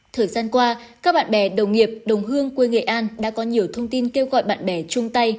thời gian qua các bạn bè đồng nghiệp đồng hương quê nghệ an đã có nhiều thông tin kêu gọi bạn bè chung tay